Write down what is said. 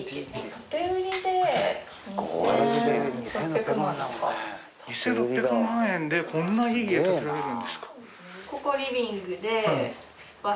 ２，６００万円でこんないい家建てられるんですか？